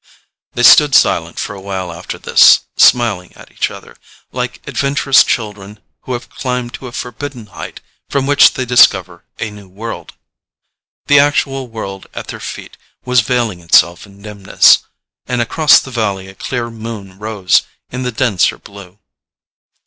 They stood silent for a while after this, smiling at each other like adventurous children who have climbed to a forbidden height from which they discover a new world. The actual world at their feet was veiling itself in dimness, and across the valley a clear moon rose in the denser blue.